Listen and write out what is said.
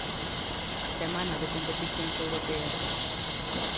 Semana de competicións europeas.